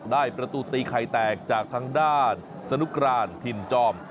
ได้ประตูตีไข่แตกจากทางด้านสนุกรานถิ่นจอม